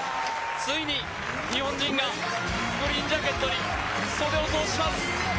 ついに日本人がグリーンジャケットに袖を通します。